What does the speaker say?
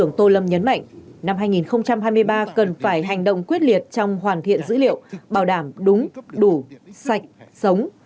năm hai nghìn hai mươi ba cần phải hành động quyết liệt trong hoàn thiện dữ liệu bảo đảm đúng đủ sạch sống